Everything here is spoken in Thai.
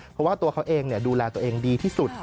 เพราะว่าตัวเขาเองดูแลตัวเองดีที่สุด